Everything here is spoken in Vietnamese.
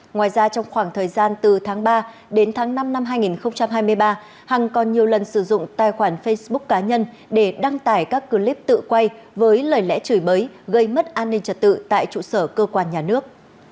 ngoài ra trong khoảng thời gian từ tháng ba đến tháng năm năm hai nghìn hai mươi ba hằng còn nhiều lần sử dụng tài khoản facebook cá nhân để đăng tải các clip tự quay với lời lẽ chửi bới gây mất an ninh trật tự tại trụ sở cơ quan nhà nước